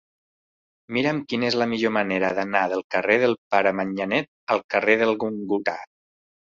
Mira'm quina és la millor manera d'anar del carrer del Pare Manyanet al carrer del Gòlgota.